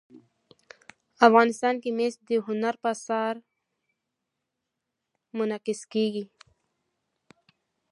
افغانستان کې مس د هنر په اثار کې منعکس کېږي.